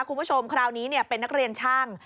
คุณผู้ชมคราวนี้เป็นนักเรียนช่าง